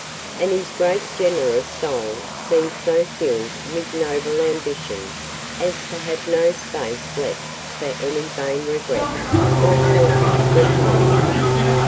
And his great generous soul seemed so filled with noble ambition as to have no space left for any vain regret or selfish repining.